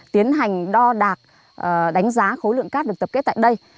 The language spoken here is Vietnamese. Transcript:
tiến hành đo đạc đánh giá khối lượng cát được tập kết tại đây